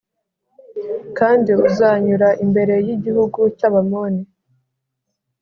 kandi uzanyura imbere y’igihugu cy’Abamoni.